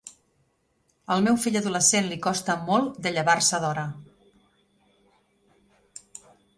Al meu fill adolescent li costa molt de llevar-se d'hora.